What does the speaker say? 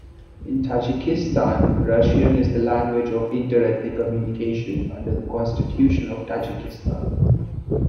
In Tajikistan Russian is the language of inter-ethnic communication under the Constitution of Tajikistan.